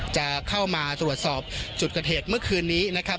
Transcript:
จะเข้ามาตรวจสอบจุดเกิดเหตุเมื่อคืนนี้นะครับ